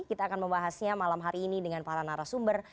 kita akan membahasnya malam hari ini dengan para narasumber